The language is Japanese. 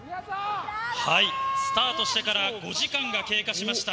スタートしてから５時間が経過しました。